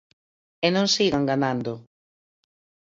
E non siga enganando.